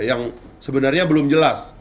yang sebenarnya belum jelas